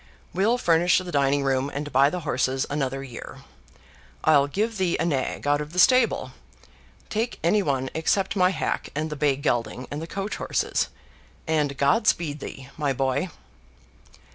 We'll furnish the dining room and buy the horses another year. I'll give thee a nag out of the stable: take any one except my hack and the bay gelding and the coach horses; and God speed thee, my boy!"